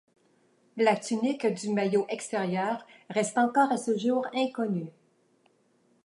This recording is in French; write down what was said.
La tunique du maillot extérieur reste encore à ce jour inconnu.